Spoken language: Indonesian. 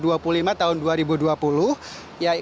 dengan menteri perhubungan nomor dua puluh lima tahun dua ribu dua puluh